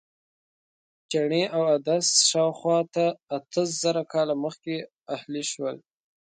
چڼې او عدس شاوخوا اته زره کاله مخکې اهلي شول.